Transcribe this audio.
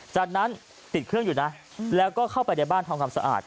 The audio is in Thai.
จากนั้นติดเครื่องอยู่นะแล้วก็เข้าไปในบ้านทำความสะอาด